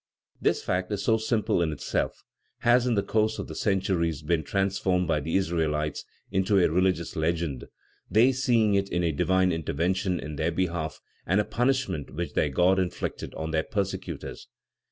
This fact, so simple in itself, has in the course of the centuries been transformed by the Israelites into a religious legend, they seeing in it a divine intervention in their behalf and a punishment which their God inflicted on their persecutors.